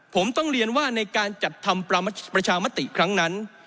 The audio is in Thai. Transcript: ผมต้องเรียนว่าในการจัดทำประชามติครั้งนั้น